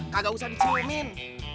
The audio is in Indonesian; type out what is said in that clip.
kagak usah diciumin